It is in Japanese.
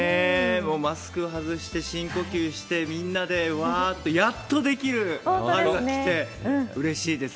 もうマスク外して、深呼吸して、みんなでうわーって、やっとできる春が来て、うれしいです。